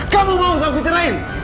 kamu mau aku cerain